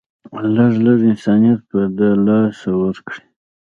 لږ لږ انسانيت به د لاسه ورکړي